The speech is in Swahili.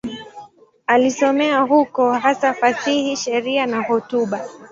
Alisomea huko, hasa fasihi, sheria na hotuba.